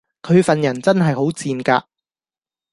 佢份人真係好賤格